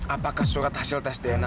apakah surat hasil tes dna